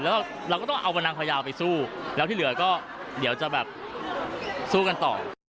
แล้วเราก็ต้องเอาบรรนางพยาวไปสู้แล้วที่เหลือก็เดี๋ยวจะแบบสู้กันต่อ